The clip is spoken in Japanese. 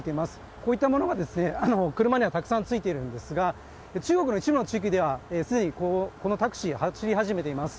こういったものが車にはたくさんついているんですが、中国の一部地域では、こういったタクシーが走り始めています。